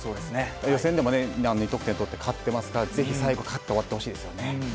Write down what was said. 予選でも２得点とって勝っていますので最後勝って終わってほしいです。